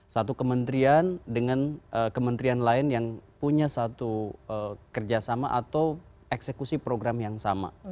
satu kementerian dengan kementerian lain yang punya satu kerjasama atau eksekusi program yang sama